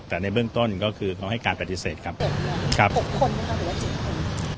แต่ในเบื้องต้นก็คือเขาให้การปฏิเสธครับ๖คนนะครับหรือว่ากี่คน